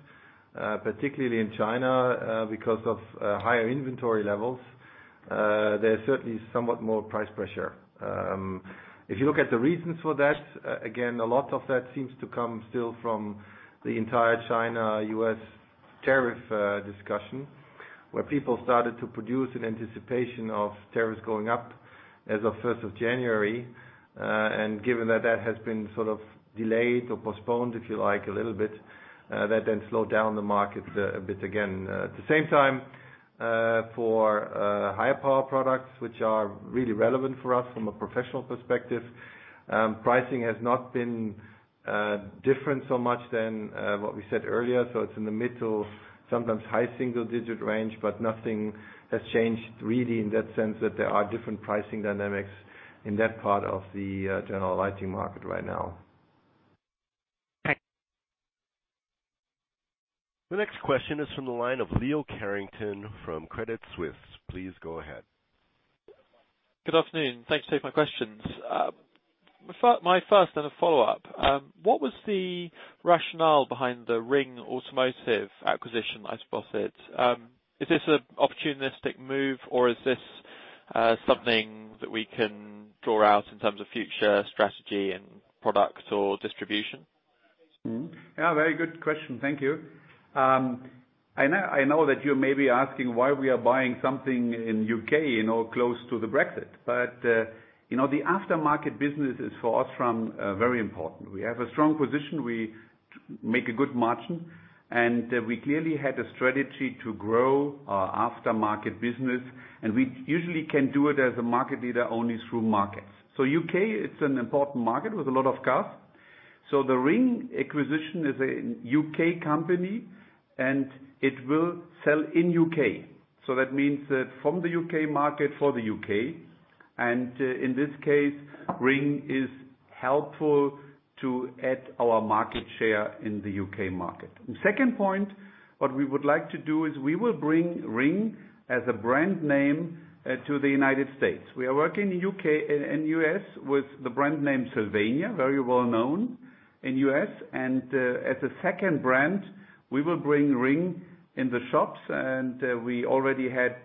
particularly in China, because of higher inventory levels, there's certainly somewhat more price pressure. If you look at the reasons for that, again, a lot of that seems to come still from the entire China-U.S. tariff discussion, where people started to produce in anticipation of tariffs going up as of 1st of January. Given that that has been sort of delayed or postponed, if you like, a little bit, that then slowed down the market a bit again. At the same time, for higher power products, which are really relevant for us from a professional perspective, pricing has not been different so much than what we said earlier. It's in the mid to sometimes high single-digit range, nothing has changed really in that sense that there are different pricing dynamics in that part of the general lighting market right now. Thanks. The next question is from the line of Leo Carrington from Credit Suisse. Please go ahead. Good afternoon. Thanks for taking my questions. My first, then a follow-up. What was the rationale behind the Ring Automotive acquisition, I suppose it? Is this an opportunistic move or is this something that we can draw out in terms of future strategy and product or distribution? Yeah, very good question. Thank you. I know that you're maybe asking why we are buying something in U.K., close to the Brexit. The aftermarket business is, for OSRAM, very important. We have a strong position. We make a good margin, we clearly had a strategy to grow our aftermarket business, we usually can do it as a market leader only through markets. U.K., it's an important market with a lot of cars. The Ring acquisition is a U.K. company, and it will sell in U.K. That means that from the U.K. market for the U.K., and in this case, Ring is helpful to add our market share in the U.K. market. The second point, what we would like to do is we will bring Ring as a brand name to the United States. We are working in U.S. with the brand name Sylvania, very well known in U.S. As a second brand, we will bring Ring in the shops, we already had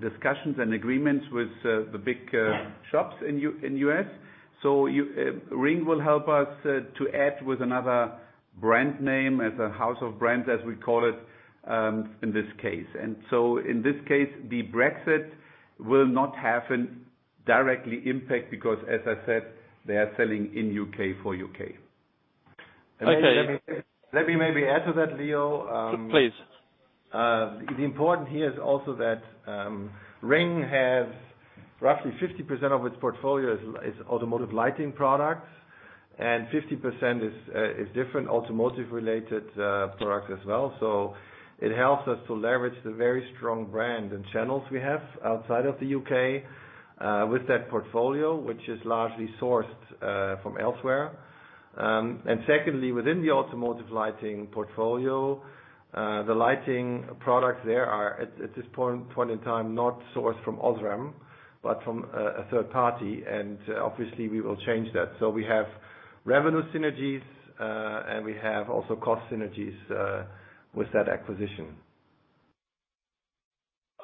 discussions and agreements with the big shops in U.S. Ring will help us to add with another brand name as a house of brands, as we call it in this case. In this case, the Brexit will not have an directly impact because as I said, they are selling in U.K. for U.K. Okay. Let me maybe add to that, Leo. Please. The important here is also that Ring has roughly 50% of its portfolio is automotive lighting products, and 50% is different automotive related products as well. It helps us to leverage the very strong brand and channels we have outside of the U.K., with that portfolio, which is largely sourced from elsewhere. Secondly, within the automotive lighting portfolio, the lighting products there are, at this point in time, not sourced from OSRAM, but from a third party, obviously we will change that. We have revenue synergies, and we have also cost synergies with that acquisition.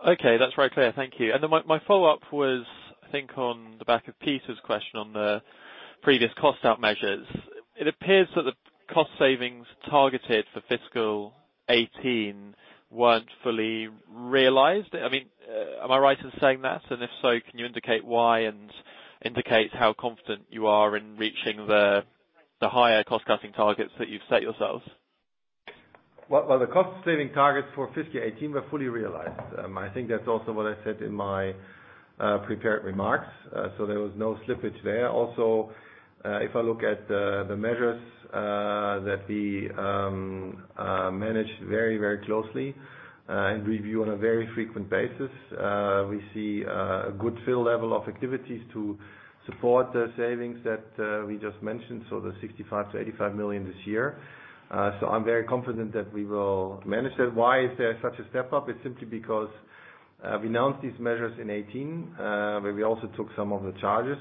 Okay. That's very clear. Thank you. Then my follow-up was, I think on the back of Peter's question on the previous cost out measures. It appears that the cost savings targeted for fiscal 2018 weren't fully realized. Am I right in saying that? If so, can you indicate why and indicate how confident you are in reaching the higher cost-cutting targets that you've set yourselves? Well, the cost saving targets for fiscal 2018 were fully realized. I think that's also what I said in my prepared remarks. There was no slippage there. Also, if I look at the measures that we manage very closely, and review on a very frequent basis, we see a good fill level of activities to support the savings that we just mentioned, the 65 million-85 million this year. I'm very confident that we will manage that. Why is there such a step-up? It's simply because, we announced these measures in 2018, where we also took some of the charges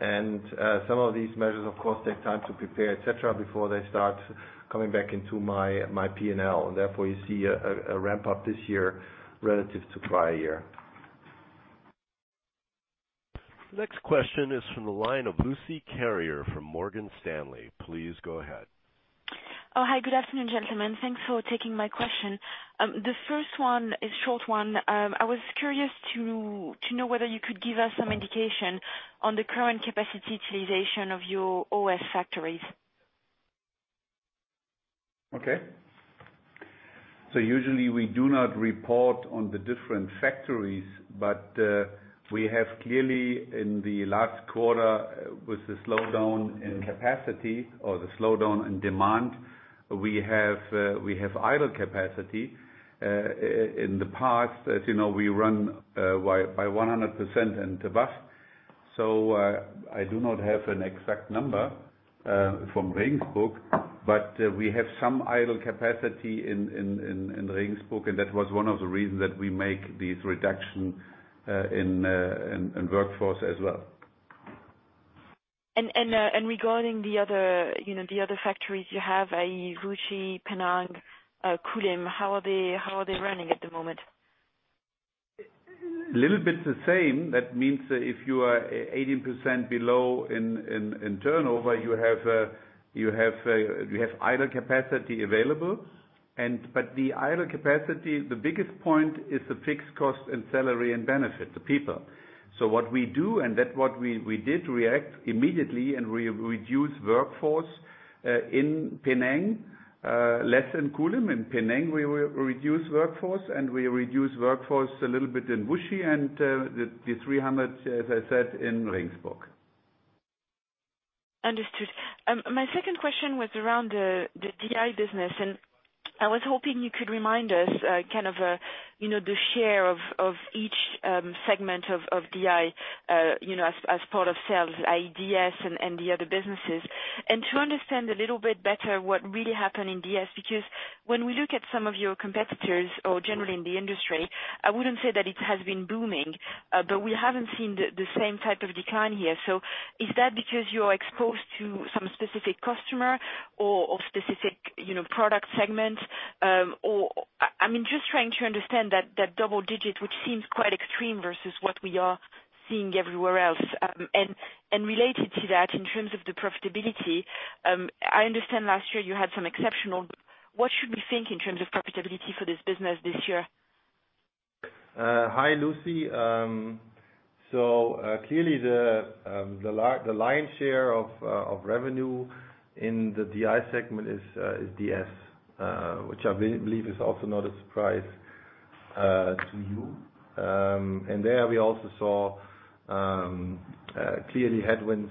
and some of these measures of course take time to prepare, et cetera, before they start coming back into my P&L, and therefore you see a ramp-up this year relative to prior year. Next question is from the line of Lucie Carrier from Morgan Stanley. Please go ahead. Hi. Good afternoon, gentlemen. Thanks for taking my question. The first one is short one. I was curious to know whether you could give us some indication on the current capacity utilization of your OS factories. Okay. Usually we do not report on the different factories. We have clearly in the last quarter with the slowdown in capacity or the slowdown in demand, we have idle capacity. In the past, as you know, we run by 100% in Tobelbad. I do not have an exact number from Regensburg. We have some idle capacity in Regensburg, and that was one of the reasons that we make these reduction in workforce as well. Regarding the other factories you have, i.e., Wuxi, Penang, Kulim, how are they running at the moment? Little bit the same. That means that if you are 18% below in turnover you have idle capacity available. The idle capacity, the biggest point is the fixed cost and salary and benefit, the people. What we do and that what we did react immediately and we reduce workforce, in Penang, less in Kulim. In Penang, we reduce workforce and we reduce workforce a little bit in Wuxi and the 300, as I said, in Regensburg. Understood. My second question was around the DI business, and I was hoping you could remind us, the share of each, segment of DI, as part of sales, i.e. DS and the other businesses. To understand a little bit better what really happened in DS. When we look at some of your competitors or generally in the industry, I wouldn't say that it has been booming, but we haven't seen the same type of decline here. Is that because you are exposed to some specific customer or specific product segment? I'm just trying to understand that double digit, which seems quite extreme versus what we are seeing everywhere else. Related to that, in terms of the profitability, I understand last year you had some exceptional. What should we think in terms of profitability for this business this year? Hi, Lucie. Clearly the lion share of revenue in the DI segment is DS, which I believe is also not a surprise to you. There we also saw clearly headwinds,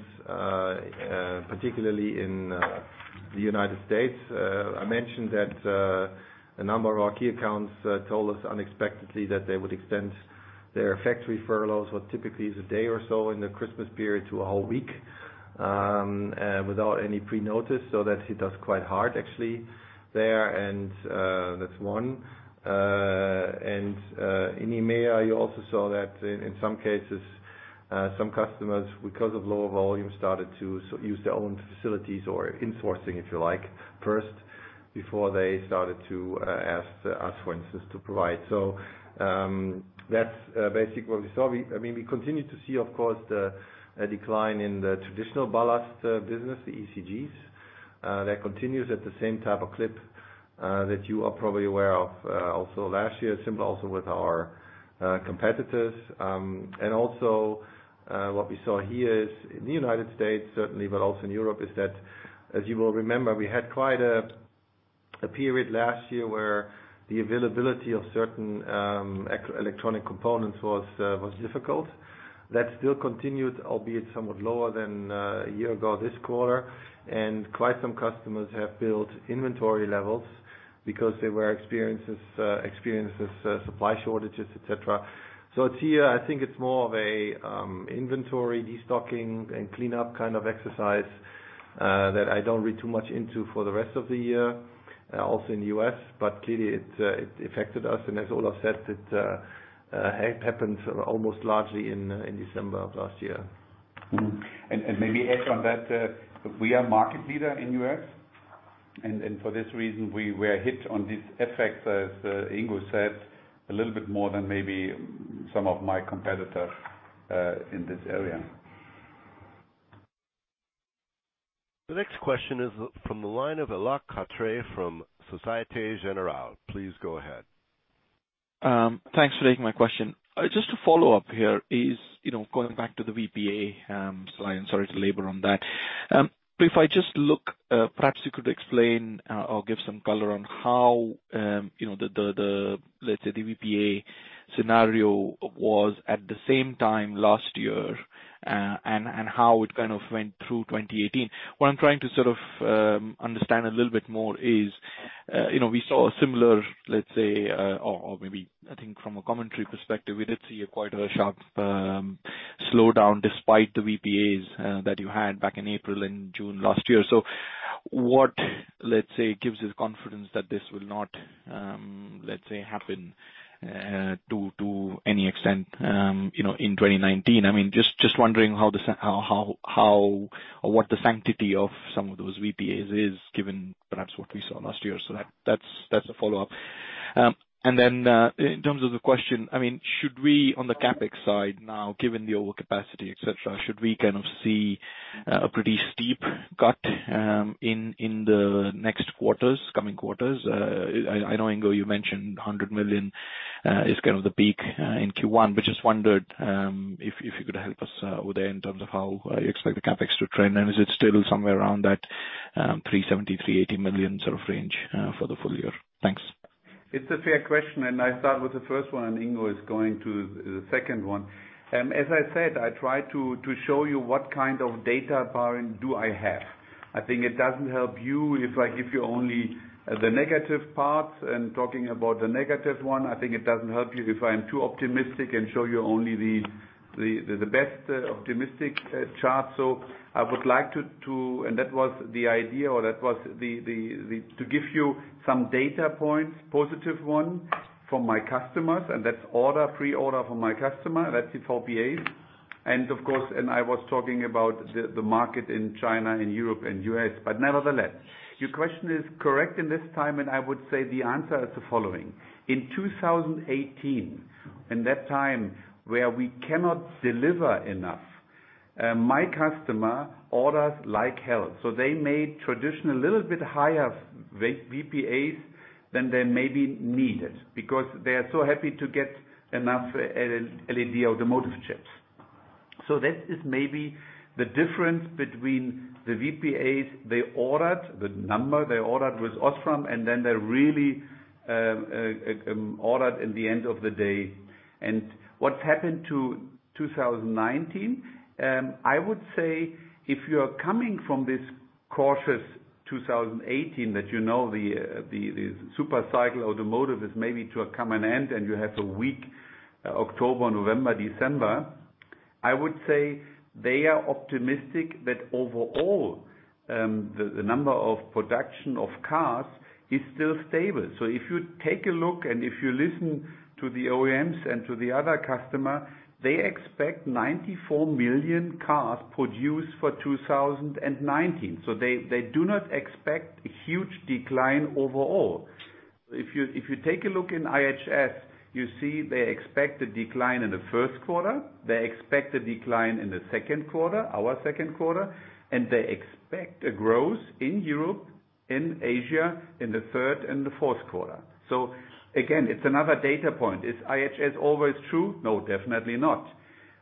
particularly in the United States. I mentioned that a number of our key accounts told us unexpectedly that they would extend their factory furloughs, what typically is a day or so in the Christmas period to a whole week, without any pre-notice. That hit us quite hard actually there. That's one. In EMEA, you also saw that in some cases customers, because of lower volume, started to use their own facilities or insourcing, if you like, first, before they started to ask us, for instance, to provide. That's basically what we saw. We continue to see, of course, a decline in the traditional ballast business, the ECGs. That continues at the same type of clip that you are probably aware of also last year, similar also with our competitors. Also what we saw here is in the United States, certainly, but also in Europe, is that as you will remember, we had quite a period last year where the availability of certain electronic components was difficult. That still continued, albeit somewhat lower than a year ago this quarter, and quite some customers have built inventory levels because they were experiencing supply shortages, et cetera. It's here. I think it's more of an inventory de-stocking and cleanup kind of exercise that I don't read too much into for the rest of the year, also in the U.S. Clearly, it affected us, and as Olaf said, it happened almost largely in December of last year. Maybe add on that, we are market leader in U.S., and for this reason, we were hit on this effect, as Ingo said, a little bit more than maybe some of my competitors in this area. The next question is from the line of Alok Katre from Société Générale. Please go ahead. Thanks for taking my question. Just to follow up here is, going back to the VPA, I am sorry to labor on that. If I just look, perhaps you could explain or give some color on how the, let's say, the VPA scenario was at the same time last year, and how it kind of went through 2018. What I am trying to sort of understand a little bit more is, we saw a similar, let's say, or maybe, I think from a commentary perspective, we did see quite a sharp slowdown despite the VPAs that you had back in April and June last year. What gives you the confidence that this will not happen to any extent in 2019? Just wondering what the sanctity of some of those VPAs is, given perhaps what we saw last year. That's a follow-up. In terms of the question, should we, on the CapEx side now, given the overcapacity, et cetera, should we kind of see a pretty steep cut in the next quarters, coming quarters? I know, Ingo, you mentioned 100 million is kind of the peak in Q1, but just wondered if you could help us with it in terms of how you expect the CapEx to trend, and is it still somewhere around that 370 million-380 million sort of range for the full year? Thanks. It's a fair question, and I'll start with the first one, Ingo is going to the second one. As I said, I try to show you what kind of data do I have. I think it doesn't help you if I give you only the negative parts and talking about the negative one. I think it doesn't help you if I am too optimistic and show you only the best optimistic chart. I would like to give you some data points, positive one from my customers, and that's order, pre-order from my customer. That's the top VPAs. Of course, I was talking about the market in China, in Europe and U.S. Nevertheless, your question is correct in this time, and I would say the answer is the following. In 2018, in that time where we cannot deliver enough, my customer orders like hell. They made traditional little bit higher VPAs than they maybe needed, because they are so happy to get enough LED automotive chips. This is maybe the difference between the VPAs the ORAT, the numbers the ORAT with OSRAM really ORAT at the end of the day. What's happened to 2019? I would say if you are coming from this cautious 2018 that you know the super cycle automotive is maybe to come an end and you have a weak October, November, December. I would say they are optimistic that overall, the number of production of cars is still stable. If you take a look and if you listen to the OEMs and to the other customer, they expect 94 million cars produced for 2019. They do not expect a huge decline overall. If you take a look in IHS, you see they expect a decline in the first quarter. They expect a decline in the second quarter, our second quarter, and they expect a growth in Europe, in Asia, in the third and the fourth quarter. Again, it's another data point. Is IHS always true? No, definitely not.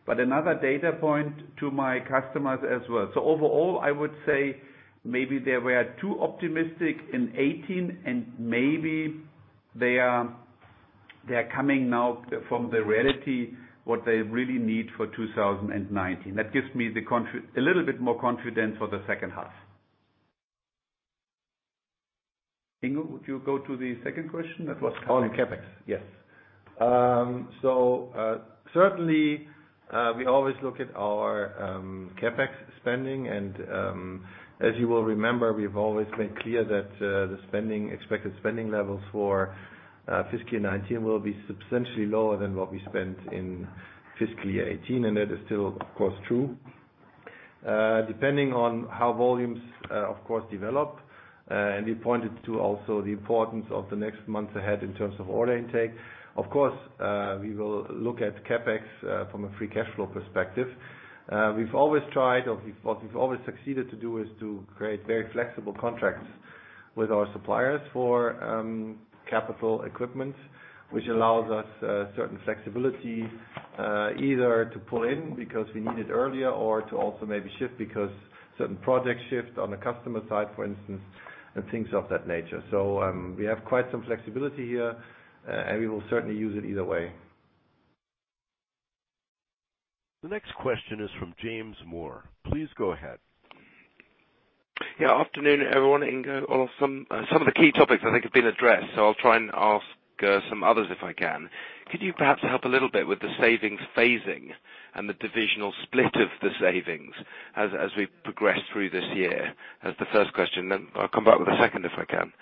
Another data point to my customers as well. Overall, I would say maybe they were too optimistic in 2018, and maybe they are coming now from the reality what they really need for 2019. That gives me a little bit more confidence for the second half. Ingo, would you go to the second question? That was CapEx. Yes. Certainly, we always look at our CapEx spending, and as you will remember, we've always been clear that the expected spending levels for fiscal year 2019 will be substantially lower than what we spent in fiscal year 2018, and that is still, of course, true. Depending on how volumes, of course, develop. We pointed to also the importance of the next months ahead in terms of order intake. Of course, we will look at CapEx from a free cash flow perspective. We've always tried, or what we've always succeeded to do, is to create very flexible contracts with our suppliers for capital equipment, which allows us certain flexibility either to pull in because we need it earlier or to also maybe shift because certain projects shift on the customer side, for instance, and things of that nature. We have quite some flexibility here, and we will certainly use it either way. The next question is from James Moore. Please go ahead. Afternoon, everyone. Ingo, some of the key topics I think have been addressed, so I'll try and ask some others if I can. Could you perhaps help a little bit with the savings phasing and the divisional split of the savings as we progress through this year? As the first question, then I'll come back with a second if I can.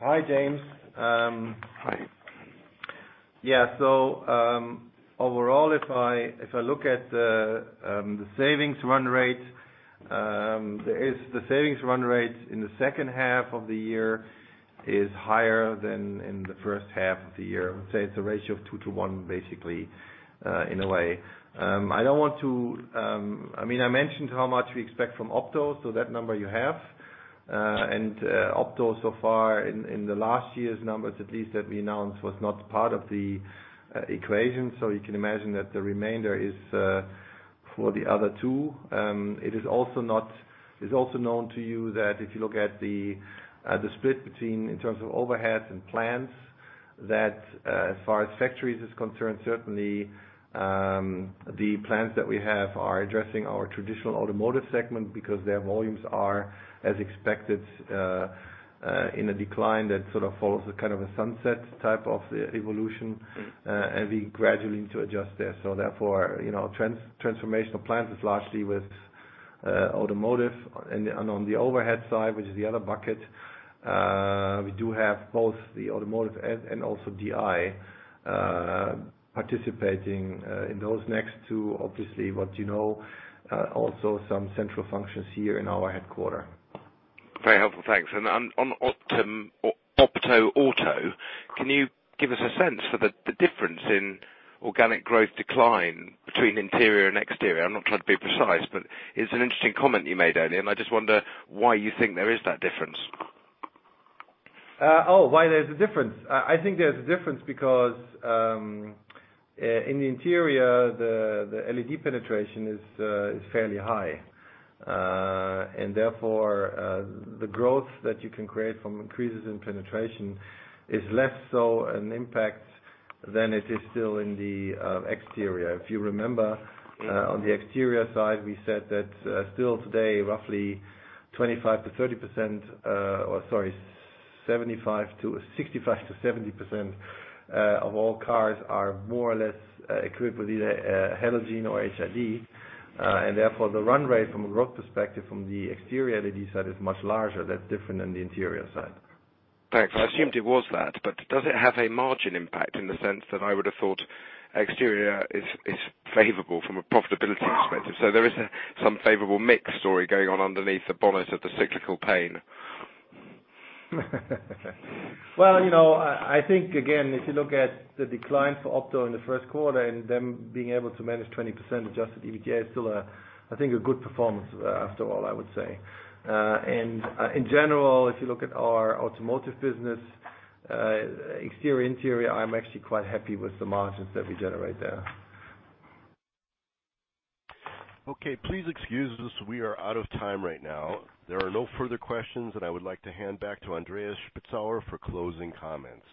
Hi, James. Hi. Yes. Overall, if I look at the savings run rate, the savings run rate in the second half of the year is higher than in the first half of the year. I would say it's a ratio of 2:1, basically, in a way. I mentioned how much we expect from Opto, so that number you have. Opto so far in the last year's numbers, at least that we announced, was not part of the equation. You can imagine that the remainder is for the other two. It's also known to you that if you look at the split between in terms of overheads and plants, that as far as factories is concerned, certainly the plants that we have are addressing our traditional automotive segment because their volumes are as expected in a decline that sort of follows a kind of a sunset type of evolution. We gradually need to adjust there. Therefore, transformational plants is largely with automotive. On the overhead side, which is the other bucket, we do have both the automotive and also DI participating in those next to obviously what you know, also some central functions here in our headquarter. Very helpful, Thanks. On Opto auto, can you give us a sense for the difference in organic growth decline between interior and exterior? I'm not trying to be precise, but it's an interesting comment you made earlier, and I just wonder why you think there is that difference. Why there's a difference? I think there's a difference because in the interior, the LED penetration is fairly high. Therefore, the growth that you can create from increases in penetration is less so an impact than it is still in the exterior. If you remember, on the exterior side, we said that still today roughly 25%-30%, or sorry, 65%-70% of all cars are more or less equipped with either halogen or HID. Therefore, the run rate from a growth perspective from the exterior LED side is much larger. That's different than the interior side. Thanks. I assumed it was that, but does it have a margin impact in the sense that I would have thought exterior is favorable from a profitability perspective? There is some favorable mix story going on underneath the bonnet of the cyclical pain. I think again, if you look at the decline for Opto in the first quarter and them being able to manage 20% adjusted EBITDA is still, I think, a good performance after all, I would say. In general, if you look at our automotive business, exterior, interior, I'm actually quite happy with the margins that we generate there. Okay. Please excuse us. We are out of time right now. There are no further questions, and I would like to hand back to Andreas Spitzauer for closing comments.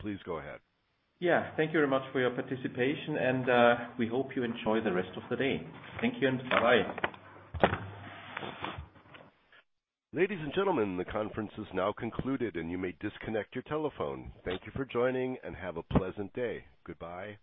Please go ahead. Yeah. Thank you very much for your participation, and we hope you enjoy the rest of the day. Thank you and bye-bye. Ladies and gentlemen, the conference is now concluded, and you may disconnect your telephone. Thank you for joining and have a pleasant day. Goodbye.